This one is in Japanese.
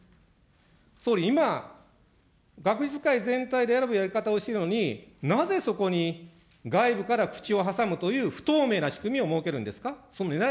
総理今、学術会議全体でこのやり方をしているのに、なぜそこに外部から口を挟むという不透明な仕組みを設けるんですか。